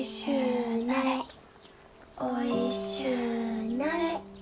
おいしゅうなれ。